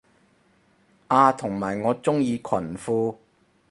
啊同埋我鍾意裙褲